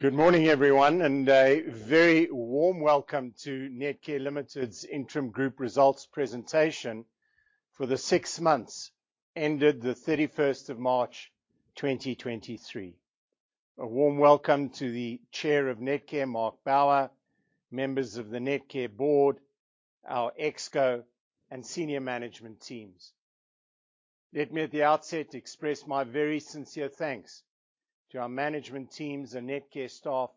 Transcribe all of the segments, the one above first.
Good morning, everyone, and a very warm welcome to Netcare Limited's interim group results presentation for the six months ended the March 31st, 2023. A warm welcome to the Chair of Netcare, Mark Bower, members of the Netcare board, our ExCo and senior management teams. Let me at the outset express my very sincere thanks to our management teams and Netcare staff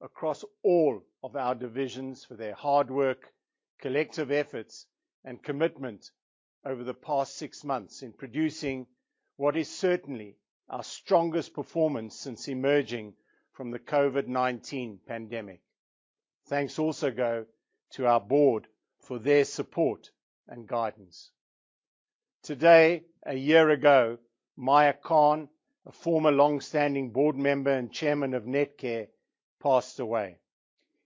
across all of our divisions for their hard work, collective efforts and commitment over the past six months in producing what is certainly our strongest performance since emerging from the COVID-19 pandemic. Thanks also go to our board for their support and guidance. Today, a year ago, Meyer Kahn, a former longstanding board member and chairman of Netcare, passed away.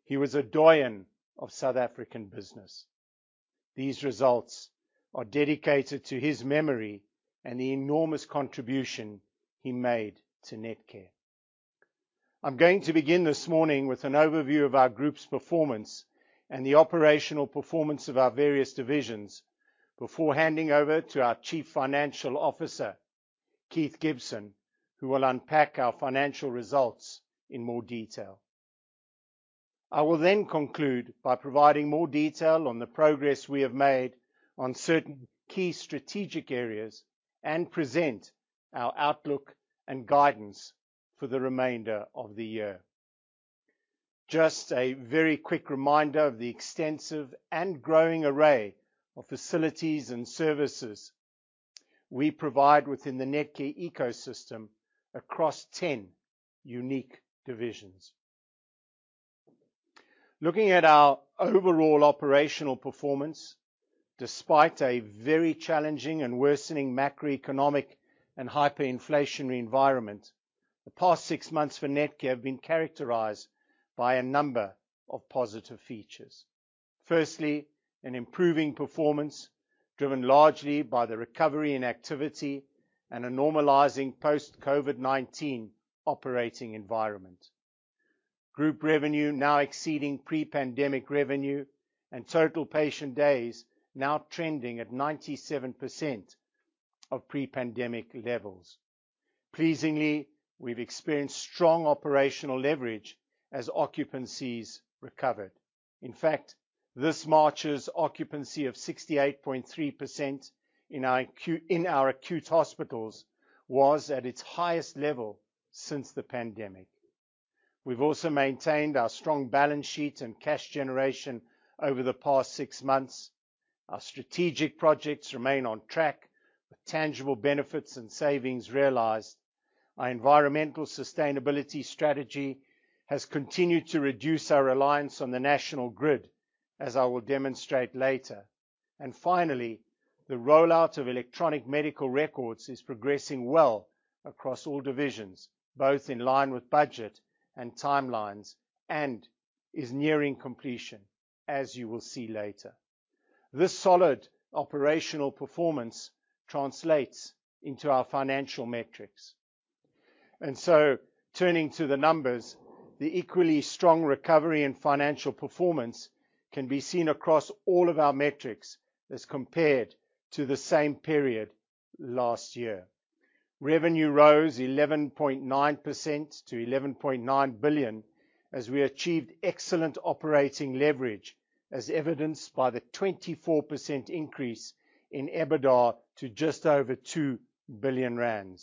He was a doyen of South African business. These results are dedicated to his memory and the enormous contribution he made to Netcare. I'm going to begin this morning with an overview of our group's performance and the operational performance of our various divisions before handing over to our Chief Financial Officer, Keith Gibson, who will unpack our financial results in more detail. I will conclude by providing more detail on the progress we have made on certain key strategic areas and present our outlook and guidance for the remainder of the year. Just a very quick reminder of the extensive and growing array of facilities and services we provide within the Netcare ecosystem across 10 unique divisions. Looking at our overall operational performance, despite a very challenging and worsening macroeconomic and hyperinflationary environment, the past six months for Netcare have been characterized by a number of positive features. Firstly, an improving performance driven largely by the recovery in activity and a normalizing post-COVID-19 operating environment. Group revenue now exceeding pre-pandemic revenue and total patient days now trending at 97% of pre-pandemic levels. Pleasingly, we've experienced strong operational leverage as occupancies recovered. In fact, this March's occupancy of 68.3% in our acute hospitals was at its highest level since the pandemic. We've also maintained our strong balance sheet and cash generation over the past six months. Our strategic projects remain on track with tangible benefits and savings realized. Our environmental sustainability strategy has continued to reduce our reliance on the national grid, as I will demonstrate later. Finally, the rollout of electronic medical records is progressing well across all divisions, both in line with budget and timelines, and is nearing completion, as you will see later. This solid operational performance translates into our financial metrics. Turning to the numbers, the equally strong recovery in financial performance can be seen across all of our metrics as compared to the same period last year. Revenue rose 11.9% to 11.9 billion as we achieved excellent operating leverage, as evidenced by the 24% increase in EBITDA to just over 2 billion rand.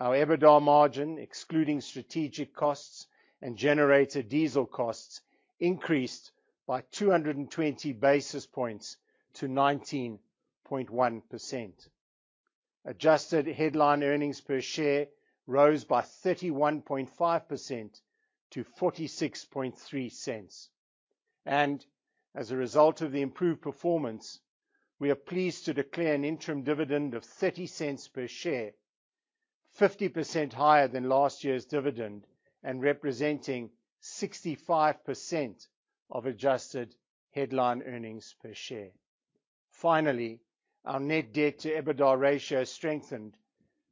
Our EBITDA margin, excluding strategic costs and generator diesel costs, increased by 220 basis points to 19.1%. Adjusted Headline Earnings Per Share rose by 31.5% to 0.463. As a result of the improved performance, we are pleased to declare an interim dividend of 0.30 per share, 50% higher than last year's dividend and representing 65% of adjusted Headline Earnings Per Share. Our net debt-to-EBITDA ratio strengthened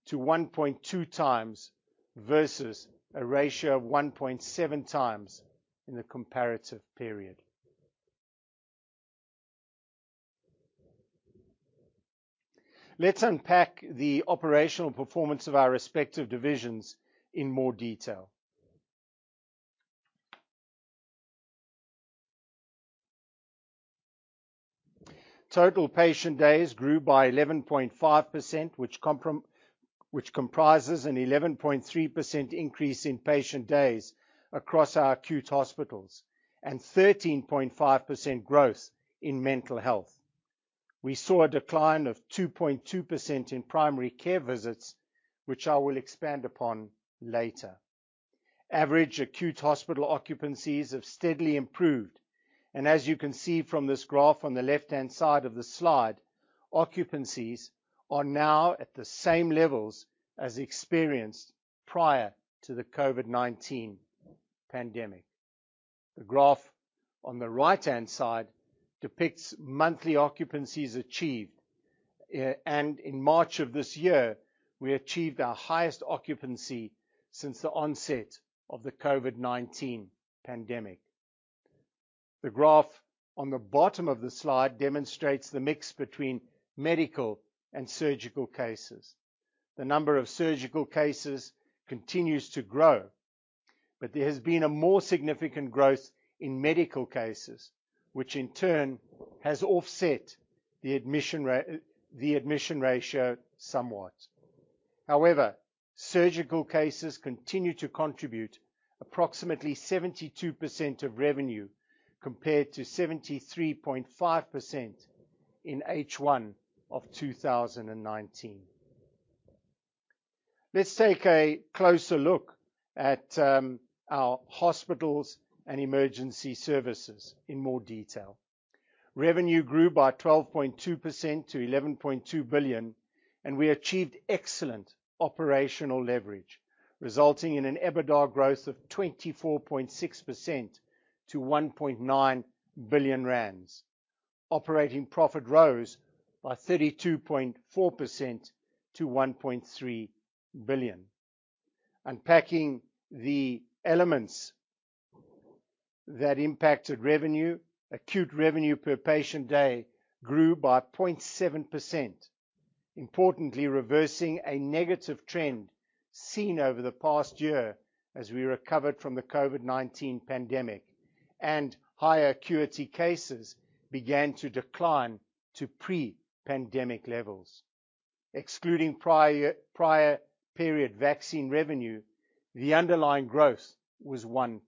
to 1.2x versus a ratio of 1.7x in the comparative period. Let's unpack the operational performance of our respective divisions in more detail. Total patient days grew by 11.5%, which comprises an 11.3% increase in patient days across our acute hospitals and 13.5% growth in mental health. We saw a decline of 2.2% in primary care visits, which I will expand upon later. Average acute hospital occupancies have steadily improved, as you can see from this graph on the left-hand side of the slide, occupancies are now at the same levels as experienced prior to the COVID-19 pandemic. The graph on the right-hand side depicts monthly occupancies achieved. In March of this year, we achieved our highest occupancy since the onset of the COVID-19 pandemic. The graph on the bottom of the slide demonstrates the mix between medical and surgical cases. The number of surgical cases continues to grow, but there has been a more significant growth in medical cases, which in turn has offset the admission ratio somewhat. However, surgical cases continue to contribute approximately 72% of revenue, compared to 73.5% in H1 of 2019. Let's take a closer look at our hospitals and emergency services in more detail. Revenue grew by 12.2% to 11.2 billion, and we achieved excellent operational leverage, resulting in an EBITDA growth of 24.6% to 1.9 billion rand. Operating profit rose by 32.4% to 1.3 billion. Unpacking the elements that impacted revenue, acute revenue per patient day grew by 0.7%, importantly, reversing a negative trend seen over the past year as we recovered from the COVID-19 pandemic and higher acuity cases began to decline to pre-pandemic levels. Excluding prior period vaccine revenue, the underlying growth was 1%.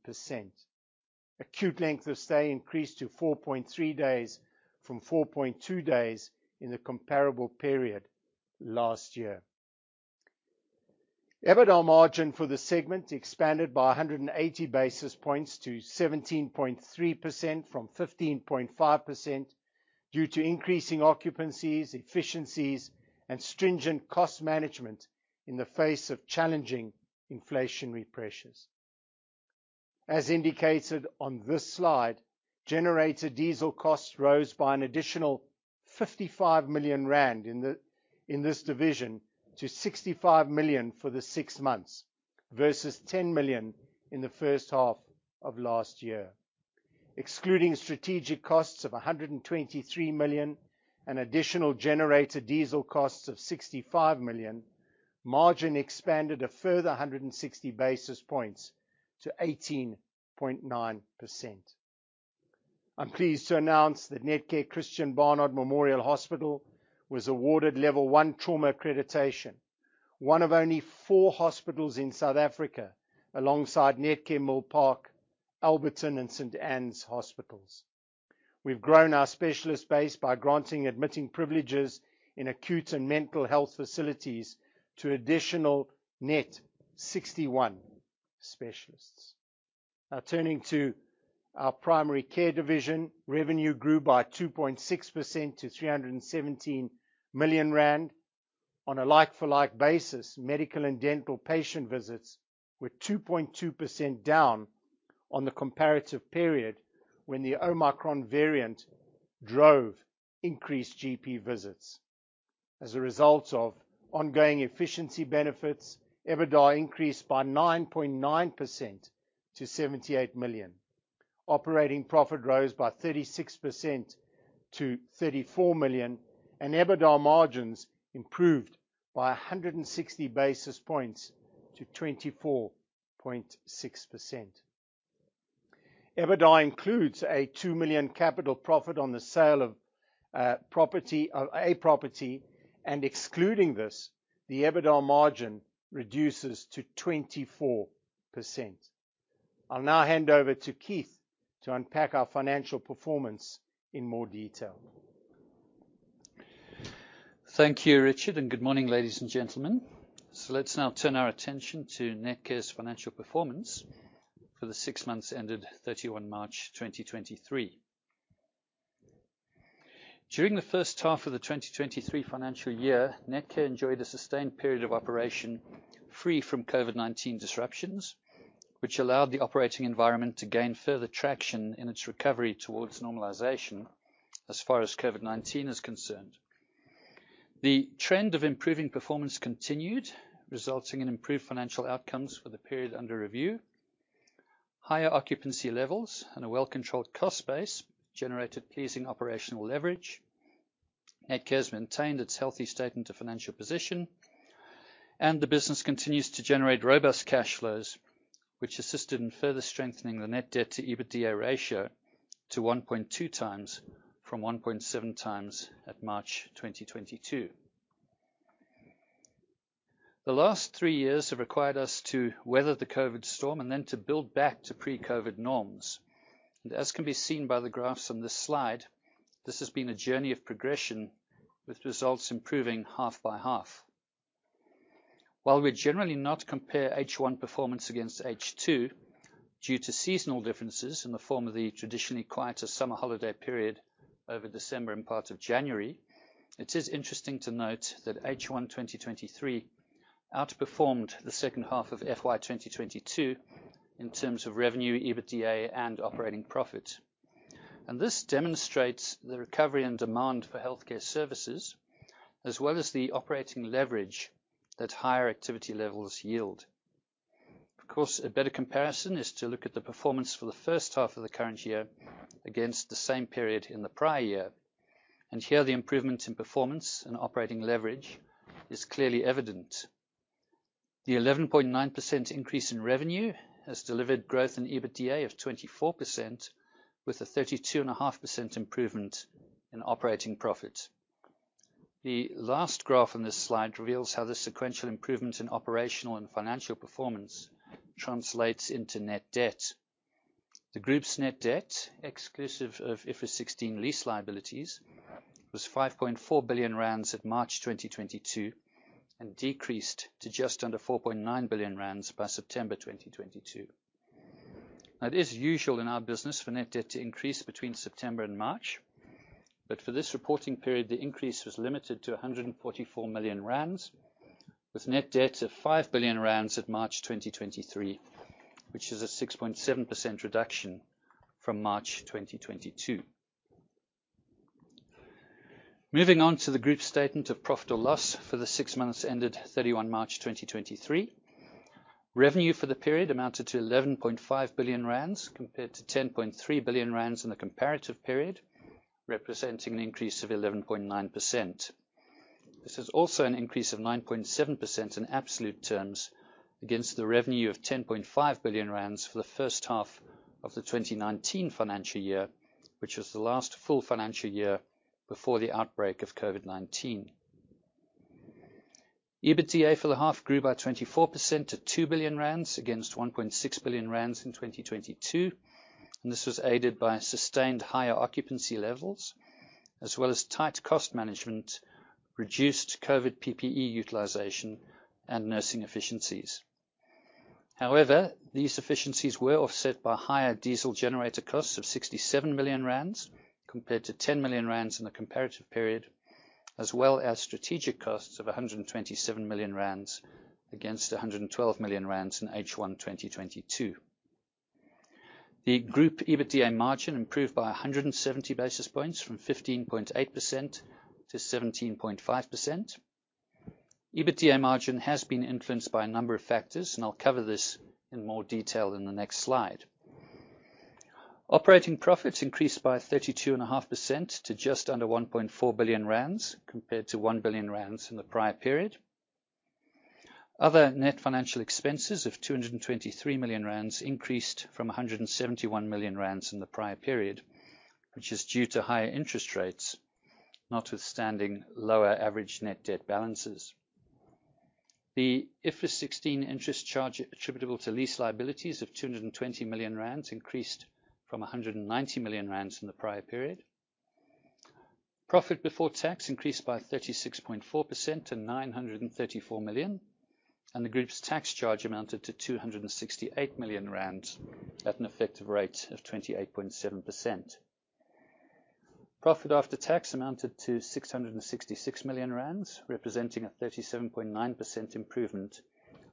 Acute length of stay increased to 4.3 days from 4.2 days in the comparable period last year. EBITDA margin for the segment expanded by 180 basis points to 17.3% from 15.5% due to increasing occupancies, efficiencies, and stringent cost management in the face of challenging inflationary pressures. As indicated on this slide, generator diesel costs rose by an additional 55 million rand in this division to 65 million for the six months, versus 10 million in the first half of last year. Excluding strategic costs of 123 million and additional generator diesel costs of 65 million, margin expanded a further 160 basis points to 18.9%. I'm pleased to announce that Netcare Christiaan Barnard Memorial Hospital was awarded Level 1 trauma accreditation, one of only four hospitals in South Africa alongside Netcare Milpark, Alberton, and Netcare St Anne's hospitals. We've grown our specialist base by granting admitting privileges in acute and mental health facilities to additional net 61 specialists. Turning to our primary care division, revenue grew by 2.6% to 317 million rand. On a like-for-like basis, medical and dental patient visits were 2.2% down on the comparative period when the Omicron variant drove increased GP visits. As a result of ongoing efficiency benefits, EBITDA increased by 9.9% to 78 million. Operating profit rose by 36% to 34 million. EBITDA margins improved by 160 basis points to 24.6%. EBITDA includes a 2 million capital profit on the sale of property. Excluding this, the EBITDA margin reduces to 24%. I'll now hand over to Keith to unpack our financial performance in more detail. Thank you, Richard. Good morning, ladies and gentlemen. Let's now turn our attention to Netcare's financial performance for the six months ended March 31, 2023. During the first half of the 2023 financial year, Netcare enjoyed a sustained period of operation free from COVID-19 disruptions, which allowed the operating environment to gain further traction in its recovery towards normalization as far as COVID-19 is concerned. The trend of improving performance continued, resulting in improved financial outcomes for the period under review. Higher occupancy levels and a well-controlled cost base generated pleasing operational leverage. Netcare has maintained its healthy statement into financial position, and the business continues to generate robust cash flows, which assisted in further strengthening the net debt to EBITDA ratio to 1.2x from 1.7x at March 2022. The last three years have required us to weather the COVID storm and then to build back to pre-COVID norms. As can be seen by the graphs on this slide, this has been a journey of progression with results improving half by half. While we generally not compare H1 performance against H2 due to seasonal differences in the form of the traditionally quieter summer holiday period over December and part of January, it is interesting to note that H1 2023 outperformed the second half of FY 2022 in terms of revenue, EBITDA and operating profit. This demonstrates the recovery and demand for healthcare services, as well as the operating leverage that higher activity levels yield. Of course, a better comparison is to look at the performance for the first half of the current year against the same period in the prior year. Here the improvement in performance and operating leverage is clearly evident. The 11.9% increase in revenue has delivered growth in EBITDA of 24%, with a 32.5% improvement in operating profit. The last graph on this slide reveals how the sequential improvement in operational and financial performance translates into net debt. The group's net debt, exclusive of IFRS 16 lease liabilities, was 5.4 billion rand at March 2022 and decreased to just under 4.9 billion rand by September 2022. It is usual in our business for net debt to increase between September and March, but for this reporting period, the increase was limited to 144 million rand, with net debt of 5 billion rand at March 2023, which is a 6.7% reduction from March 2022. Moving on to the group statement of profit or loss for the six months ended 31 March 2023. Revenue for the period amounted to 11.5 billion rand compared to 10.3 billion rand in the comparative period, representing an increase of 11.9%. This is also an increase of 9.7% in absolute terms against the revenue of 10.5 billion rand for the first half of the 2019 financial year, which was the last full financial year before the outbreak of COVID-19. EBITDA for the half grew by 24% to 2 billion rand against 1.6 billion rand in 2022. This was aided by sustained higher occupancy levels as well as tight cost management, reduced COVID-19 PPE utilization, and nursing efficiencies. These efficiencies were offset by higher diesel generator costs of 67 million rand compared to 10 million rand in the comparative period, as well as strategic costs of 127 million rand against 112 million rand in H1 2022. The group EBITDA margin improved by 170 basis points from 15.8% to 17.5%. EBITDA margin has been influenced by a number of factors. I'll cover this in more detail in the next slide. Operating profits increased by 32.5% to just under 1.4 billion rand compared to 1 billion rand in the prior period. Other net financial expenses of 223 million rand increased from 171 million rand in the prior period, which is due to higher interest rates, notwithstanding lower average net debt balances. The IFRS 16 interest charge attributable to lease liabilities of 220 million rand increased from 190 million rand in the prior period. Profit before tax increased by 36.4% to 934 million, and the group's tax charge amounted to 268 million rand at an effective rate of 28.7%. Profit after tax amounted to 666 million rand, representing a 37.9% improvement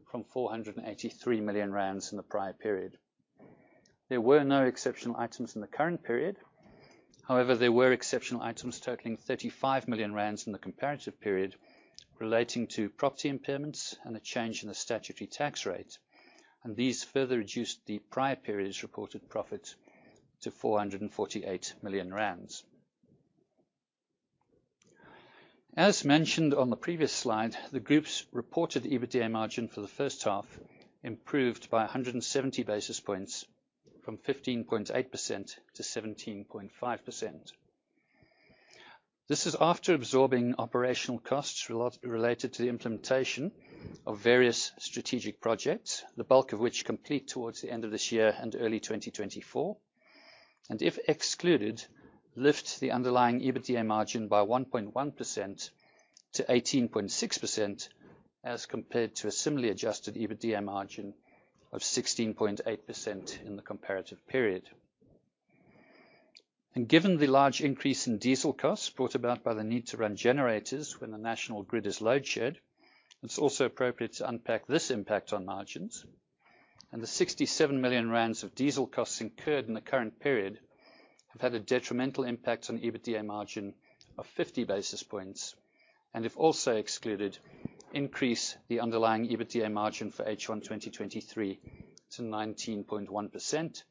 from 483 million rand in the prior period. There were no exceptional items in the current period. There were exceptional items totaling 35 million rand in the comparative period relating to property impairments and a change in the statutory tax rate, and these further reduced the prior period's reported profit to ZAR 448 million. As mentioned on the previous slide, the group's reported EBITDA margin for the first half improved by 170 basis points from 15.8% to 17.5%. This is after absorbing operational costs related to the implementation of various strategic projects, the bulk of which complete towards the end of this year and early 2024. If excluded, lift the underlying EBITDA margin by 1.1% to 18.6% as compared to a similarly adjusted EBITDA margin of 16.8% in the comparative period. Given the large increase in diesel costs brought about by the need to run generators when the national grid is load-shed, it's also appropriate to unpack this impact on margins. The 67 million rand of diesel costs incurred in the current period have had a detrimental impact on EBITDA margin of 50 basis points and if also excluded, increase the underlying EBITDA margin for H1 2023 to 19.1%,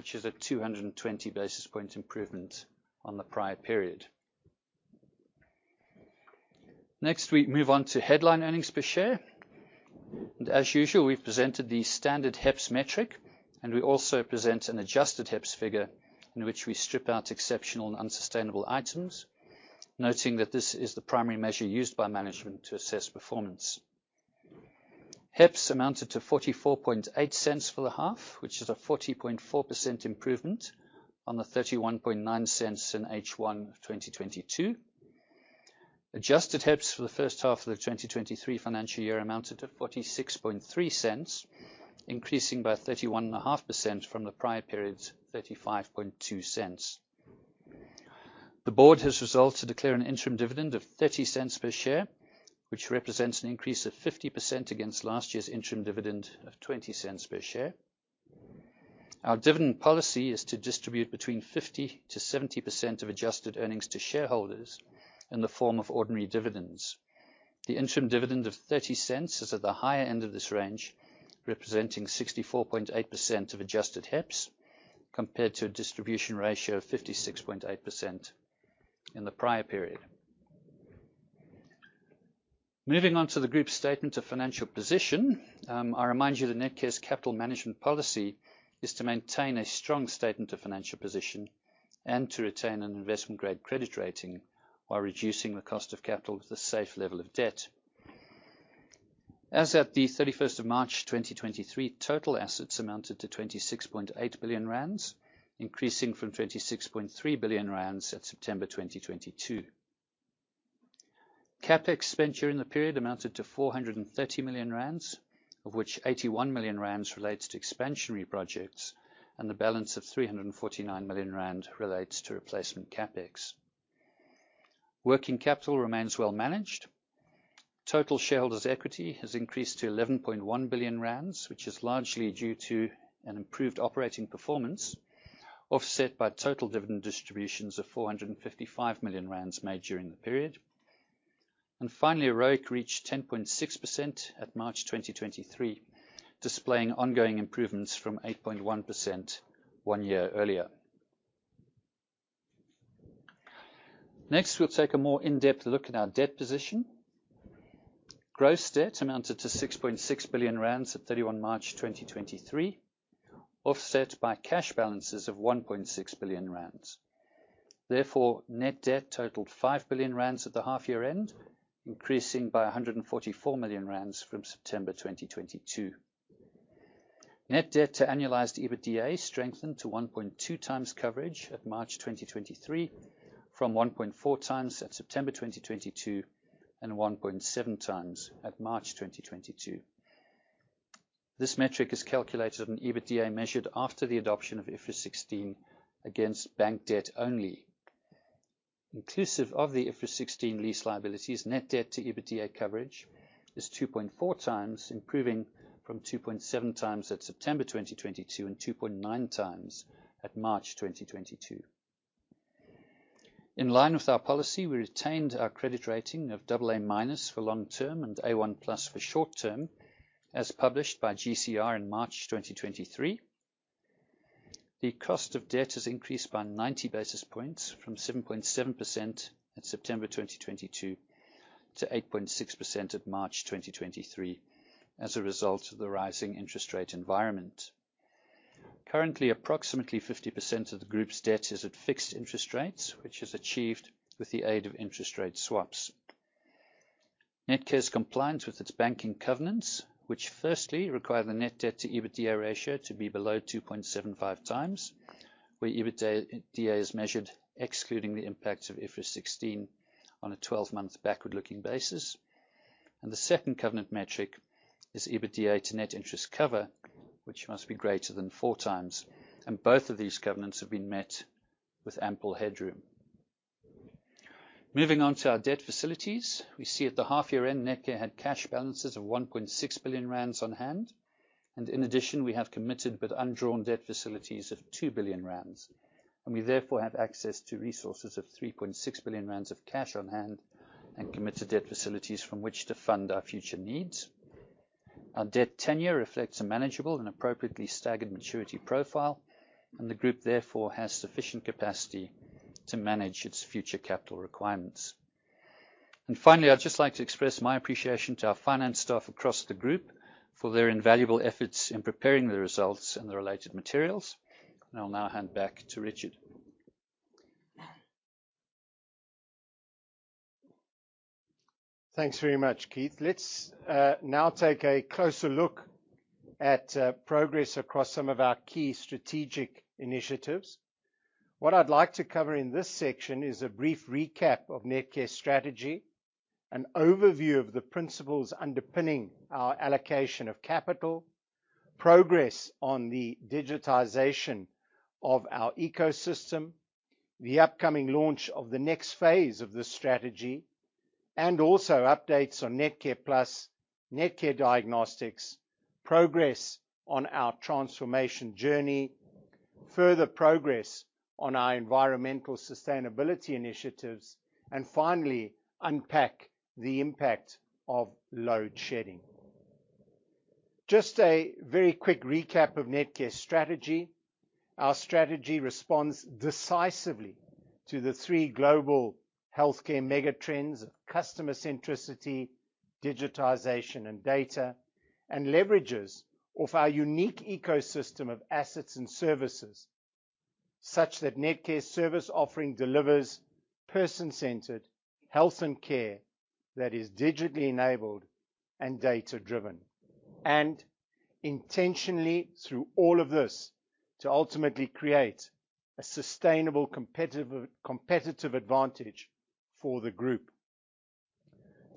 which is a 220 basis point improvement on the prior period. Next, we move on to headline earnings per share. As usual, we've presented the standard HEPS metric, and we also present an adjusted HEPS figure in which we strip out exceptional and unsustainable items. Noting that this is the primary measure used by management to assess performance. HEPS amounted to 0.448 for the half, which is a 40.4% improvement on the 0.319 in H1 2022. Adjusted HEPS for the first half of the 2023 financial year amounted to 0.463, increasing by 31.5% from the prior period's 0.352. The board has resolved to declare an interim dividend of 0.30 per share, which represents an increase of 50% against last year's interim dividend of 0.20 per share. Our dividend policy is to distribute between 50%-70% of adjusted earnings to shareholders in the form of ordinary dividends. The interim dividend of 0.30 is at the higher end of this range, representing 64.8% of adjusted HEPS, compared to a distribution ratio of 56.8% in the prior period. Moving on to the group statement of financial position, I remind you that Netcare's capital management policy is to maintain a strong statement of financial position and to retain an investment-grade credit rating while reducing the cost of capital with a safe level of debt. As at the March 31st, 2023, total assets amounted to 26.8 billion rand, increasing from 26.3 billion rand at September 2022. CapEx spent during the period amounted to 430 million rand, of which 81 million rand relates to expansionary projects, and the balance of 349 million rand relates to replacement CapEx. Working capital remains well managed. Total shareholders' equity has increased to 11.1 billion rand, which is largely due to an improved operating performance, offset by total dividend distributions of 455 million rand made during the period. Finally, ROIC reached 10.6% at March 2023, displaying ongoing improvements from 8.1% one year earlier. Next, we'll take a more in-depth look at our debt position. Gross debt amounted to 6.6 billion rand at March 31, 2023, offset by cash balances of 1.6 billion rand. Net debt totaled 5 billion rand at the half year end, increasing by 144 million rand from September 2022. Net debt to annualized EBITDA strengthened to 1.2x coverage at March 2023 from 1.4x at September 2022 and 1.7x at March 2022. This metric is calculated on EBITDA measured after the adoption of IFRS 16 against bank debt only. Inclusive of the IFRS 16 lease liabilities, net debt to EBITDA coverage is 2.4x, improving from 2.7x at September 2022 and 2.9x at March 2022. In line with our policy, we retained our credit rating of AA- for long term and A1+ for short term, as published by GCR in March 2023. The cost of debt has increased by 90 basis points from 7.7% at September 2022 to 8.6% at March 2023 as a result of the rising interest rate environment. Currently, approximately 50% of the group's debt is at fixed interest rates, which is achieved with the aid of interest rate swaps. Netcare is compliant with its banking covenants, which firstly require the net debt to EBITDA ratio to be below 2.75x, where EBITDA is measured excluding the impact of IFRS 16 on a 12-month backward-looking basis. The second covenant metric is EBITDA to net interest cover, which must be greater than 4x. Both of these covenants have been met with ample headroom. Moving on to our debt facilities. We see at the half year end, Netcare had cash balances of 1.6 billion rand on hand. In addition, we have committed but undrawn debt facilities of 2 billion rand. We therefore have access to resources of 3.6 billion rand of cash on hand and committed debt facilities from which to fund our future needs. Our debt tenure reflects a manageable and appropriately staggered maturity profile, and the group therefore has sufficient capacity to manage its future capital requirements. Finally, I'd just like to express my appreciation to our finance staff across the group for their invaluable efforts in preparing the results and the related materials. I'll now hand back to Richard. Thanks very much, Keith. Let's now take a closer look at progress across some of our key strategic initiatives. What I'd like to cover in this section is a brief recap of Netcare's strategy, an overview of the principles underpinning our allocation of capital, progress on the digitization of our ecosystem, the upcoming launch of the next phase of this strategy, and also updates on NetcarePlus, Netcare Diagnostics, progress on our transformation journey, further progress on our environmental sustainability initiatives, and finally unpack the impact of load shedding. Just a very quick recap of Netcare's strategy. Our strategy responds decisively to the three global healthcare mega trends of customer centricity, digitization, and data, and leverages off our unique ecosystem of assets and services, such that Netcare's service offering delivers person-centered health and care that is digitally enabled and data-driven. Intentionally, through all of this, to ultimately create a sustainable competitive advantage for the group.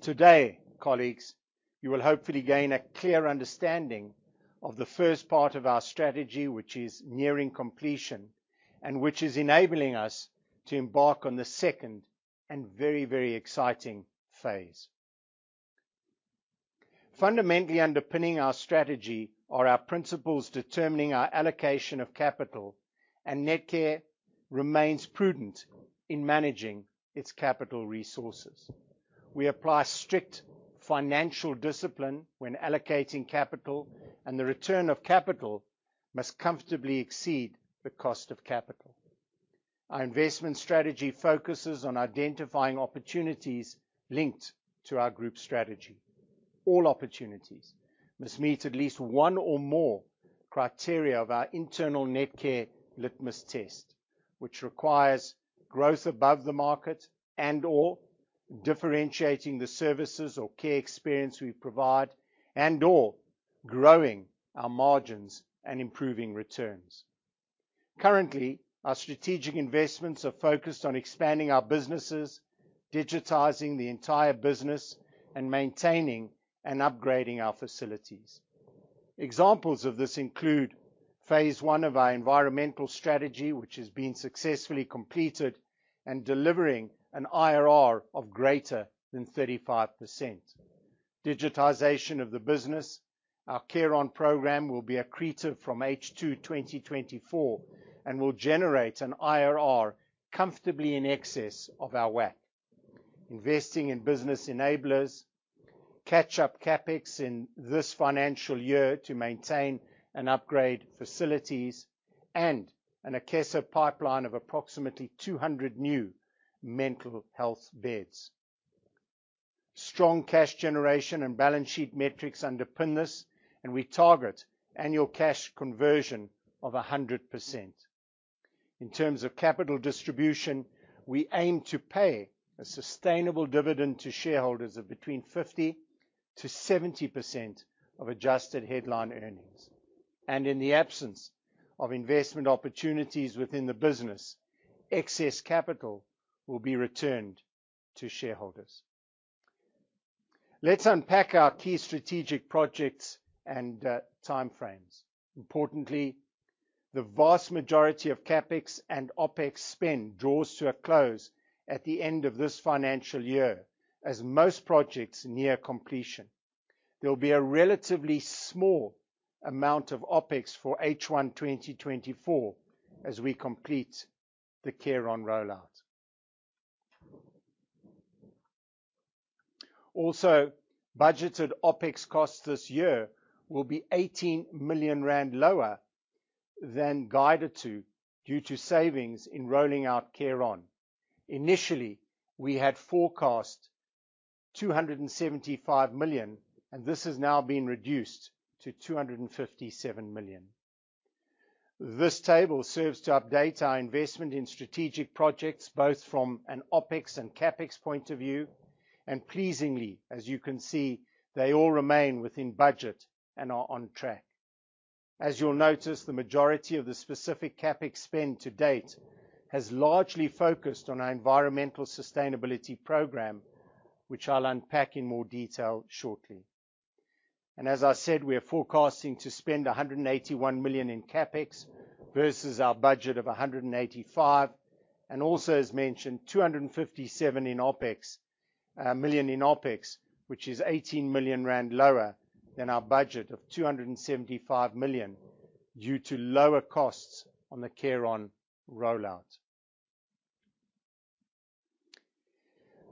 Today, colleagues, you will hopefully gain a clear understanding of the first part of our strategy, which is nearing completion, and which is enabling us to embark on the second and very exciting phase. Fundamentally underpinning our strategy are our principles determining our allocation of capital, and Netcare remains prudent in managing its capital resources. We apply strict financial discipline when allocating capital, and the return of capital must comfortably exceed the cost of capital. Our investment strategy focuses on identifying opportunities linked to our group strategy. All opportunities must meet at least one or more criteria of our internal Netcare litmus test, which requires growth above the market and/or differentiating the services or care experience we provide and/or growing our margins and improving returns. Currently, our strategic investments are focused on expanding our businesses, digitizing the entire business, and maintaining and upgrading our facilities. Examples of this include phase I of our environmental strategy, which has been successfully completed and delivering an IRR of greater than 35%. Digitization of the business. Our CareOn program will be accretive from H2 2024 and will generate an IRR comfortably in excess of our WACC. Investing in business enablers, catch-up CapEx in this financial year to maintain and upgrade facilities, and an Akeso pipeline of approximately 200 new mental health beds. Strong cash generation and balance sheet metrics underpin this, and we target annual cash conversion of 100%. In terms of capital distribution, we aim to pay a sustainable dividend to shareholders of between 50%-70% of adjusted headline earnings. In the absence of investment opportunities within the business, excess capital will be returned to shareholders. Let's unpack our key strategic projects and timeframes. Importantly, the vast majority of CapEx and OpEx spend draws to a close at the end of this financial year, as most projects near completion. There will be a relatively small amount of OpEx for H1 2024 as we complete the CareOn rollout. Also, budgeted OpEx costs this year will be 18 million rand lower than guided to, due to savings in rolling out CareOn. Initially, we had forecast 275 million, and this has now been reduced to 257 million. This table serves to update our investment in strategic projects, both from an OpEx and CapEx point of view. Pleasingly, as you can see, they all remain within budget and are on track. As you'll notice, the majority of the specific CapEx spend to date has largely focused on our environmental sustainability program, which I'll unpack in more detail shortly. As I said, we are forecasting to spend 181 million in CapEx versus our budget of 185 million, and also, as mentioned, 257 million in OpEx, which is 18 million rand lower than our budget of 275 million due to lower costs on the CareOn rollout.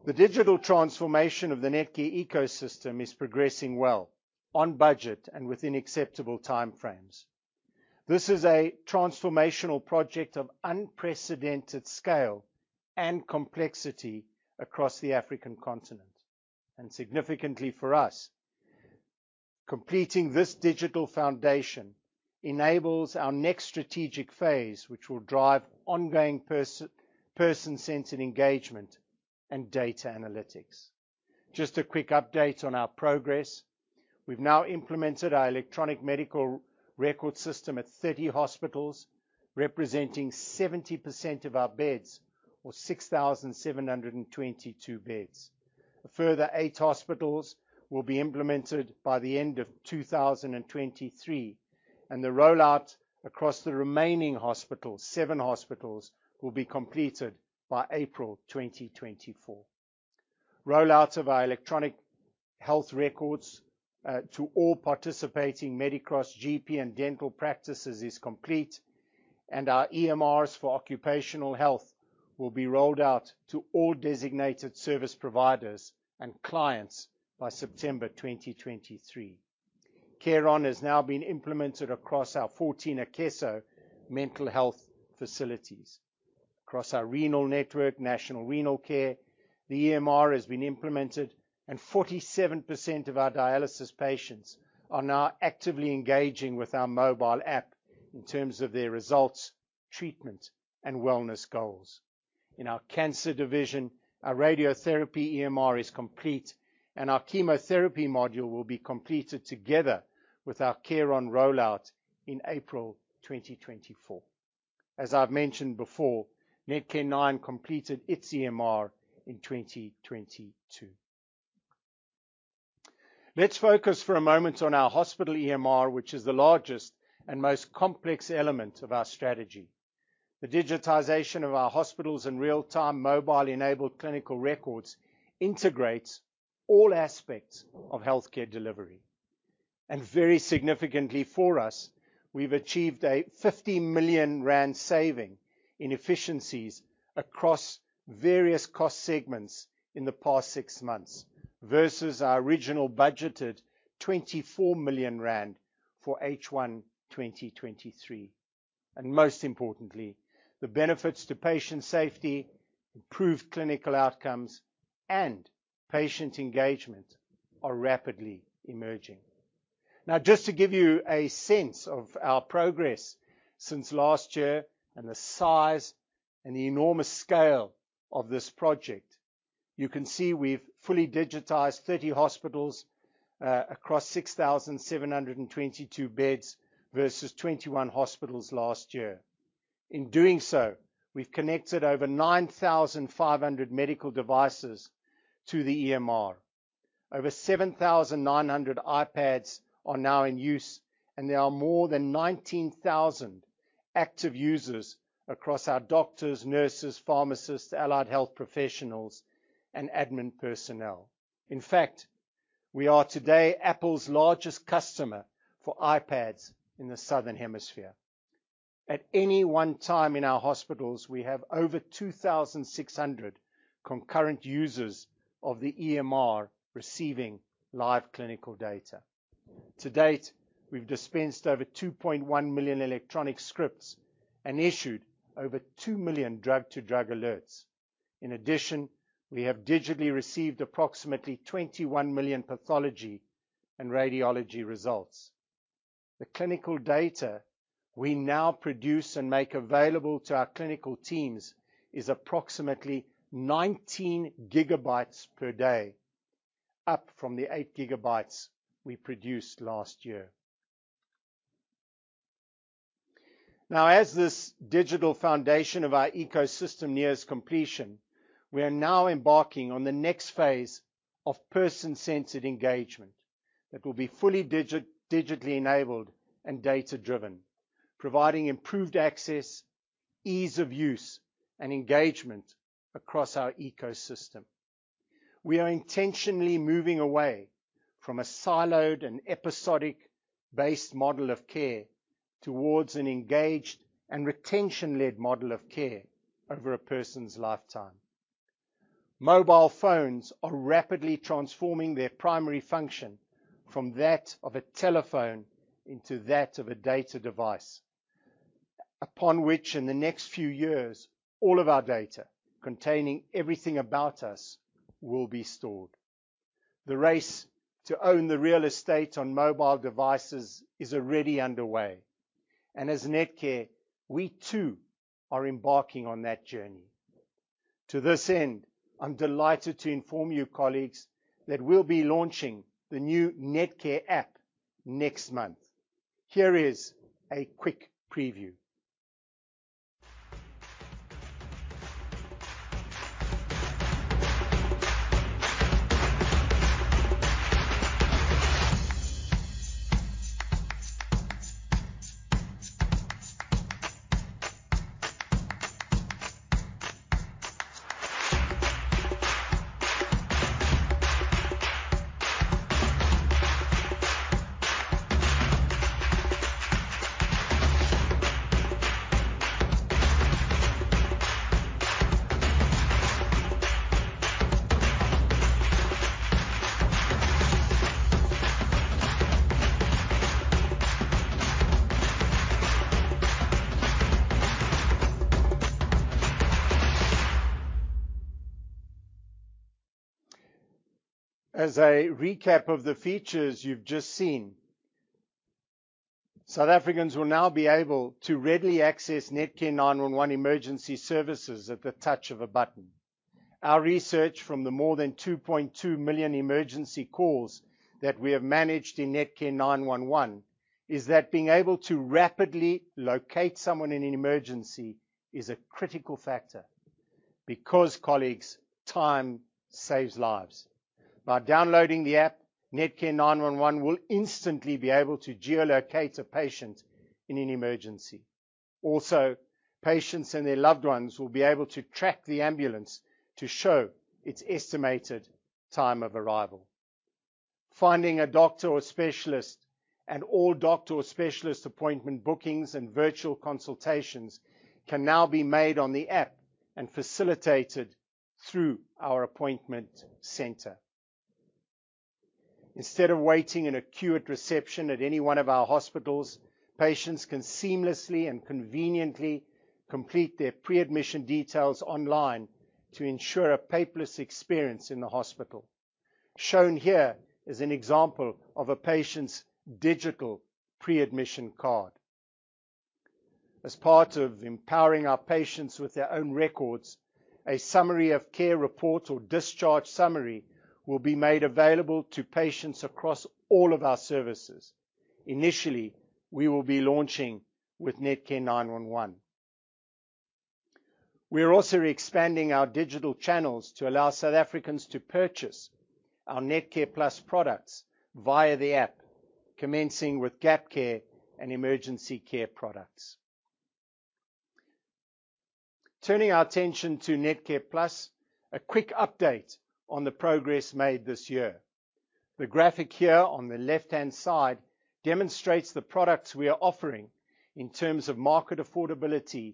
The digital transformation of the Netcare ecosystem is progressing well on budget and within acceptable timeframes. This is a transformational project of unprecedented scale and complexity across the African continent. Significantly for us, completing this digital foundation enables our next strategic phase, which will drive ongoing person-centered engagement and data analytics. Just a quick update on our progress. We've now implemented our electronic medical records system at 30 hospitals, representing 70% of our beds, or 6,722 beds. A further eight hospitals will be implemented by the end of 2023, and the rollout across the remaining hospitals, seven hospitals, will be completed by April 2024. Rollout of our electronic health records to all participating Medicross GP and dental practices is complete, and our EMRs for occupational health will be rolled out to all designated service providers and clients by September 2023. CareOn has now been implemented across our 14 Akeso mental health facilities. Across our renal network, National Renal Care, the EMR has been implemented and 47% of our dialysis patients are now actively engaging with our mobile app in terms of their results, treatment, and wellness goals. In our cancer division, our radiotherapy EMR is complete, and our chemotherapy module will be completed together with our CareOn rollout in April 2024. As I've mentioned before, Netcare 911 completed its EMR in 2022. Let's focus for a moment on our hospital EMR, which is the largest and most complex element of our strategy. The digitization of our hospitals and real-time mobile-enabled clinical records integrates all aspects of healthcare delivery. Very significantly for us, we've achieved a 50 million rand saving in efficiencies across various cost segments in the past six months versus our original budgeted 24 million rand for H1 2023. Most importantly, the benefits to patient safety, improved clinical outcomes, and patient engagement are rapidly emerging. Just to give you a sense of our progress since last year and the size and the enormous scale of this project, you can see we've fully digitized 30 hospitals across 6,722 beds versus 21 hospitals last year. In doing so, we've connected over 9,500 medical devices to the EMR. Over 7,900 iPads are now in use, and there are more than 19,000 active users across our doctors, nurses, pharmacists, allied health professionals, and admin personnel. In fact, we are today Apple's largest customer for iPads in the Southern Hemisphere. At any one time in our hospitals, we have over 2,600 concurrent users of the EMR receiving live clinical data. To date, we've dispensed over 2.1 million electronic scripts and issued over 2 million drug-to-drug alerts. In addition, we have digitally received approximately 21 million pathology and radiology results. The clinical data we now produce and make available to our clinical teams is approximately 19 GB per day, up from the 8 GB we produced last year. Now, as this digital foundation of our ecosystem nears completion, we are now embarking on the next phase of person-centered engagement that will be fully digitally enabled and data-driven, providing improved access, ease of use, and engagement across our ecosystem. We are intentionally moving away from a siloed and episodic-based model of care towards an engaged and retention-led model of care over a person's lifetime. Mobile phones are rapidly transforming their primary function from that of a telephone into that of a data device, upon which in the next few years, all of our data containing everything about us will be stored. The race to own the real estate on mobile devices is already underway. As Netcare, we too are embarking on that journey. To this end, I'm delighted to inform you colleagues that we'll be launching the new Netcare app next month. Here is a quick preview. As a recap of the features you've just seen, South Africans will now be able to readily access Netcare 911 emergency services at the touch of a button. Our research from the more than 2.2 million emergency calls that we have managed in Netcare 911 is that being able to rapidly locate someone in an emergency is a critical factor because, colleagues, time saves lives. By downloading the app, Netcare 911 will instantly be able to geolocate a patient in an emergency. Also, patients and their loved ones will be able to track the ambulance to show its estimated time of arrival. Finding a doctor or specialist and all doctor or specialist appointment bookings and virtual consultations can now be made on the app and facilitated through our appointment center. Instead of waiting in a queue at reception at any one of our hospitals, patients can seamlessly and conveniently complete their pre-admission details online to ensure a paperless experience in the hospital. Shown here is an example of a patient's digital pre-admission card. As part of empowering our patients with their own records. A summary of care reports or discharge summary will be made available to patients across all of our services. Initially, we will be launching with Netcare 911. We are also expanding our digital channels to allow South Africans to purchase our NetcarePlus products via the app, commencing with GapCare and emergency care products. Turning our attention to NetcarePlus, a quick update on the progress made this year. The graphic here on the left-hand side demonstrates the products we are offering in terms of market affordability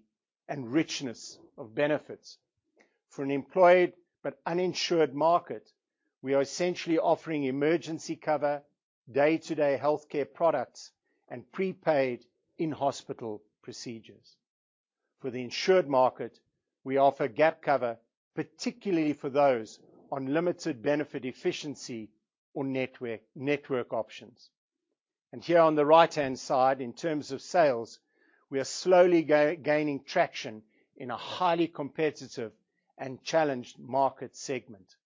and richness of benefits. For an employed but uninsured market, we are essentially offering emergency cover, day-to-day healthcare products, and prepaid in-hospital procedures. For the insured market, we offer GapCare, particularly for those on limited benefit efficiency or network options. Here on the right-hand side, in terms of sales, we are slowly gaining traction in a highly competitive and challenged market segment.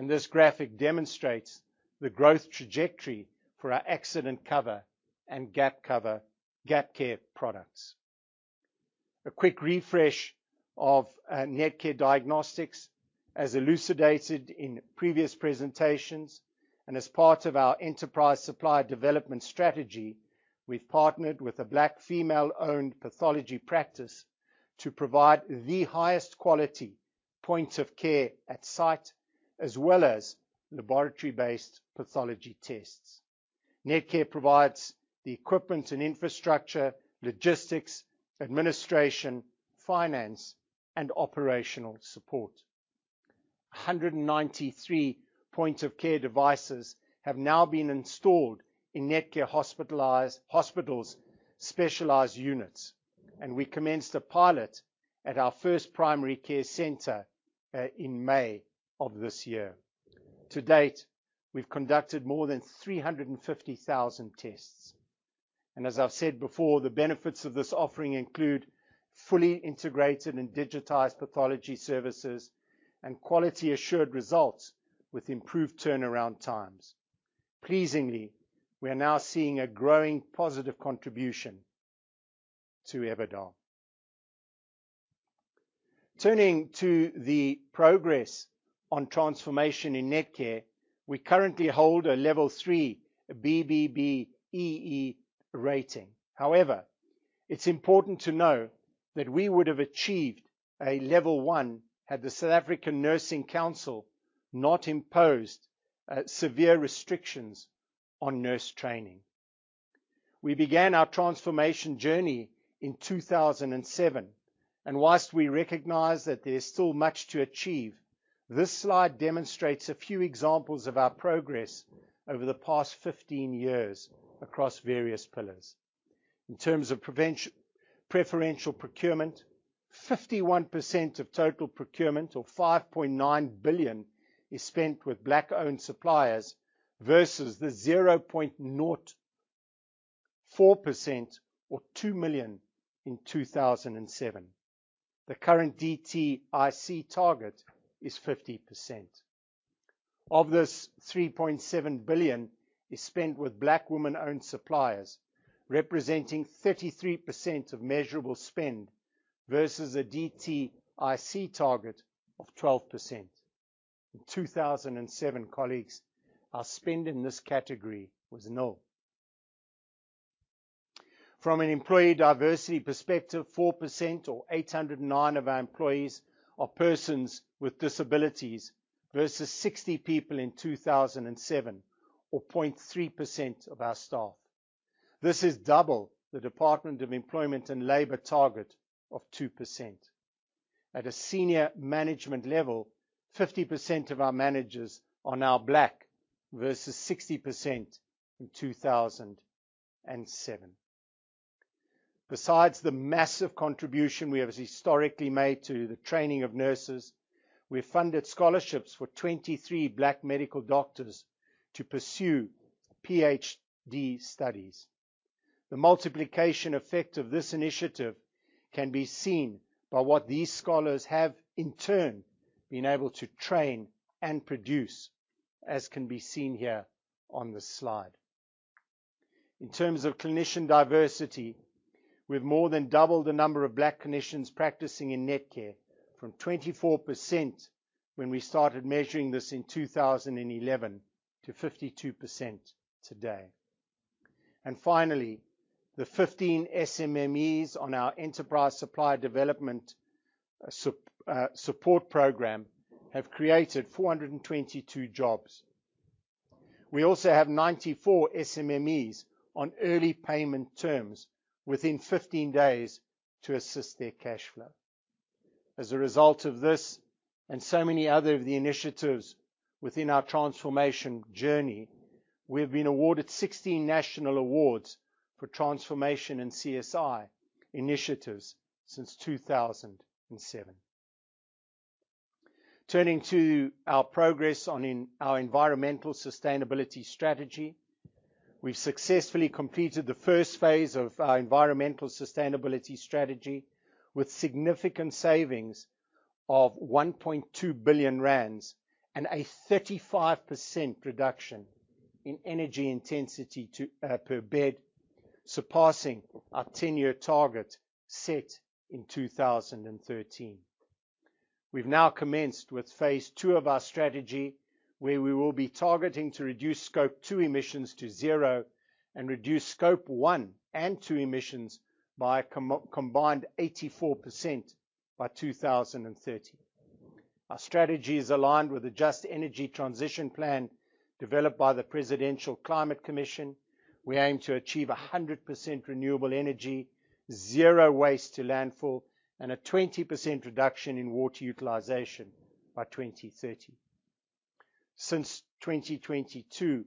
This graphic demonstrates the growth trajectory for our accident cover and GapCare products. A quick refresh of Netcare Diagnostics as elucidated in previous presentations and as part of our enterprise supply development strategy, we've partnered with a Black female-owned pathology practice to provide the highest quality point of care at site, as well as laboratory-based pathology tests. Netcare provides the equipment and infrastructure, logistics, administration, finance, and operational support. 193 point-of-care devices have now been installed in Netcare hospitals' specialized units, we commenced a pilot at our first primary care center in May of this year. To date, we've conducted more than 350,000 tests. As I've said before, the benefits of this offering include fully integrated and digitized pathology services and quality assured results with improved turnaround times. Pleasingly, we are now seeing a growing positive contribution to EBITDA. Turning to the progress on transformation in Netcare, we currently hold a Level 3 BBBEE rating. It's important to know that we would have achieved a Level 1 had the South African Nursing Council not imposed severe restrictions on nurse training. We began our transformation journey in 2007, and whilst we recognize that there is still much to achieve, this slide demonstrates a few examples of our progress over the past 15 years across various pillars. In terms of preferential procurement, 51% of total procurement, or 5.9 billion, is spent with Black-owned suppliers versus the 0.04% or 2 million in 2007. The current DTIC target is 50%. Of this, 3.7 billion is spent with Black women-owned suppliers, representing 33% of measurable spend versus a DTIC target of 12%. In 2007, colleagues, our spend in this category was nil. From an employee diversity perspective, 4% or 809 of our employees are persons with disabilities versus 60 people in 2007, or 0.3% of our staff. This is double the Department of Employment and Labour target of 2%. At a senior management level, 50% of our managers are now Black versus 60% in 2007. Besides the massive contribution we have historically made to the training of nurses, we funded scholarships for 23 Black medical doctors to pursue PhD studies. The multiplication effect of this initiative can be seen by what these scholars have, in turn, been able to train and produce, as can be seen here on this slide. In terms of clinician diversity, we've more than doubled the number of Black clinicians practicing in Netcare from 24% when we started measuring this in 2011 to 52% today. Finally, the 15 SMMEs on our enterprise supply development support program have created 422 jobs. We also have 94 SMMEs on early payment terms within 15 days to assist their cash flow. As a result of this and so many other of the initiatives within our transformation journey, we have been awarded 16 national awards for transformation and CSI initiatives since 2007. Turning to our progress on in our environmental sustainability strategy. We've successfully completed the first phase of our environmental sustainability strategy with significant savings of 1.2 billion rand and a 35% reduction in energy intensity per bed, surpassing our 10-year target set in 2013. We've now commenced with phase II of our strategy, where we will be targeting to reduce Scope 2 emissions to zero and reduce Scope 1 and 2 emissions by a combined 84% by 2030. Our strategy is aligned with the Just Energy Transition Plan developed by the Presidential Climate Commission. We aim to achieve 100% renewable energy, zero waste to landfill, and a 20% reduction in water utilization by 2030. Since 2022,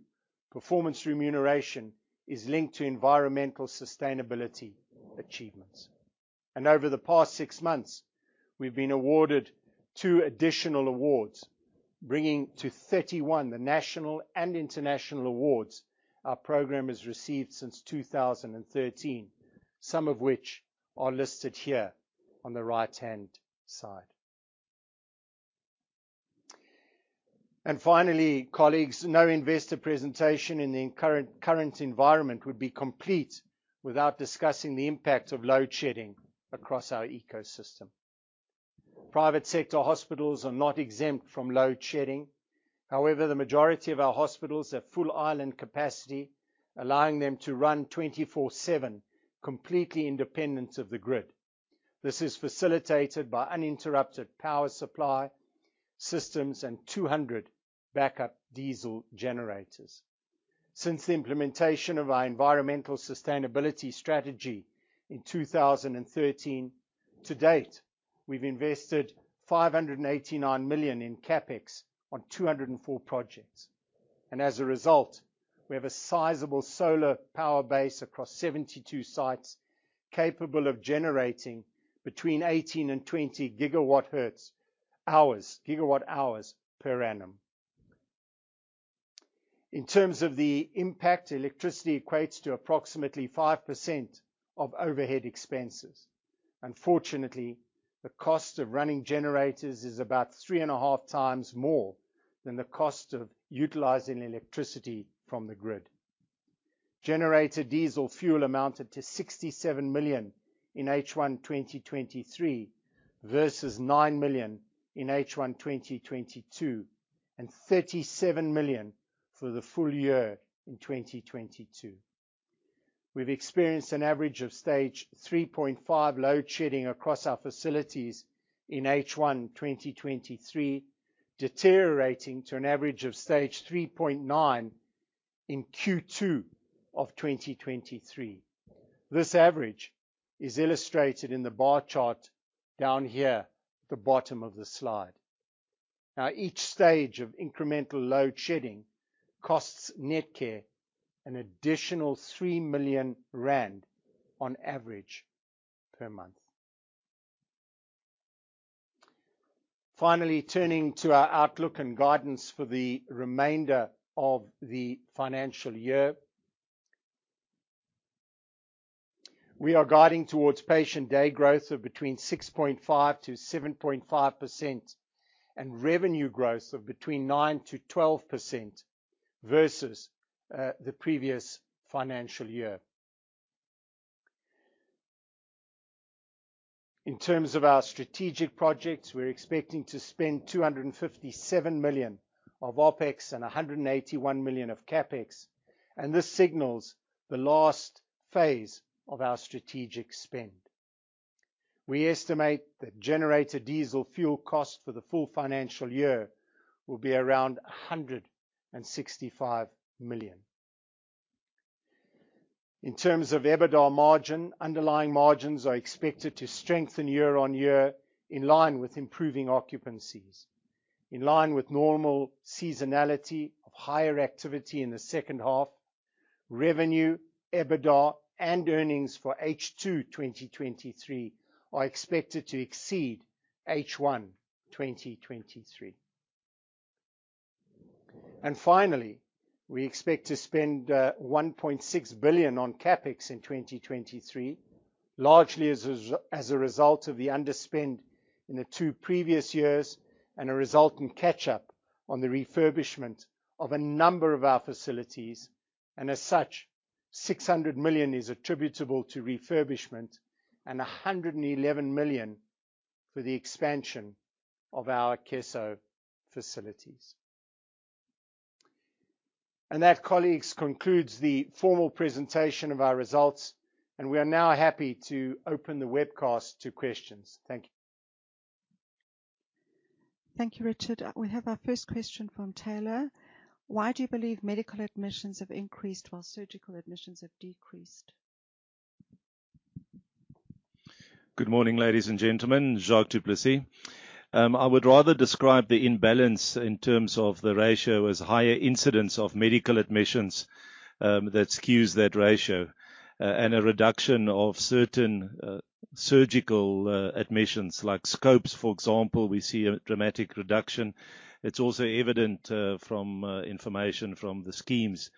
performance remuneration is linked to environmental sustainability achievements. Over the past six months, we've been awarded two additional awards, bringing to 31 the national and international awards our program has received since 2013. Some of which are listed here on the right-hand side. Finally, colleagues, no investor presentation in the current environment would be complete without discussing the impact of load shedding across our ecosystem. Private sector hospitals are not exempt from load shedding. However, the majority of our hospitals have full island capacity, allowing them to run 24/7 completely independent of the grid. This is facilitated by uninterrupted power supply systems and 200 backup diesel generators. Since the implementation of our environmental sustainability strategy in 2013, to date, we've invested 589 million in CapEx on 204 projects. As a result, we have a sizable solar power base across 72 sites, capable of generating between 18 and 20 gigawatt hours per annum. In terms of the impact, electricity equates to approximately 5% of overhead expenses. Unfortunately, the cost of running generators is about three and a half times more than the cost of utilizing electricity from the grid. Generator diesel fuel amounted to 67 million in H1 2023 versus 9 million in H1 2022, and 37 million for the full year in 2022. We've experienced an average of Stage 3.5 load shedding across our facilities in H1 2023, deteriorating to an average of Stage 3.9 in Q2 of 2023. This average is illustrated in the bar chart down here at the bottom of the slide. Each stage of incremental load shedding costs Netcare an additional 3 million rand on average per month. Turning to our outlook and guidance for the remainder of the financial year. We are guiding towards patient day growth of between 6.5%-7.5% and revenue growth of between 9%-12% versus the previous financial year. In terms of our strategic projects, we're expecting to spend 257 million of OpEx and 181 million of CapEx, this signals the last phase of our strategic spend. We estimate that generator diesel fuel cost for the full financial year will be around 165 million. In terms of EBITDA margin, underlying margins are expected to strengthen year-on-year in line with improving occupancies. In line with normal seasonality of higher activity in the second half, revenue, EBITDA, and earnings for H2 2023 are expected to exceed H1 2023. Finally, we expect to spend 1.6 billion on CapEx in 2023, largely as a result of the underspend in the two previous years and a resulting catch-up on the refurbishment of a number of our facilities. As such, 600 million is attributable to refurbishment and 111 million for the expansion of our Akeso facilities. That, colleagues, concludes the formal presentation of our results, and we are now happy to open the webcast to questions. Thank you. Thank you, Richard. We have our first question from Taylor. Why do you believe medical admissions have increased while surgical admissions have decreased? Good morning, ladies and gentlemen, Jacques du Plessis. I would rather describe the imbalance in terms of the ratio as higher incidence of medical admissions, that skews that ratio, and a reduction of certain surgical admissions like scopes, for example, we see a dramatic reduction. It's also evident from information from the schemes.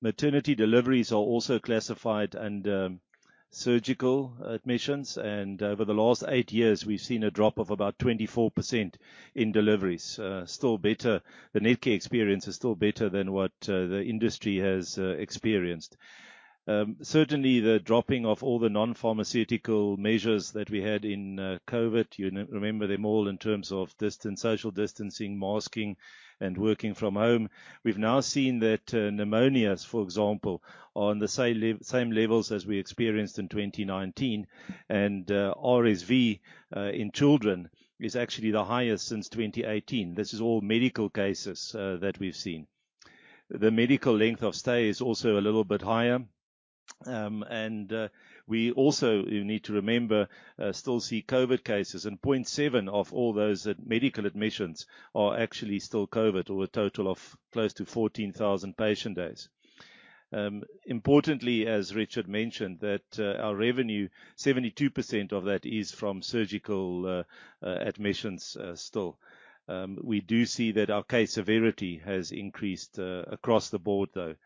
Maternity deliveries are also classified under surgical admissions, and over the last eight years, we've seen a drop of about 24% in deliveries. The Netcare experience is still better than what the industry has experienced. Certainly the dropping of all the non-pharmaceutical measures that we had in COVID-19. You remember them all in terms of distance, social distancing, masking, and working from home. We've now seen that pneumonias, for example, are on the same levels as we experienced in 2019. RSV in children is actually the highest since 2018. This is all medical cases that we've seen. The medical length of stay is also a little bit higher. We also need to remember, still see COVID cases. 0.7% of all those medical admissions are actually still COVID, or a total of close to 14,000 patient days. Importantly, as Richard mentioned, that our revenue, 72% of that is from surgical admissions, still. We do see that our case severity has increased across the board, though.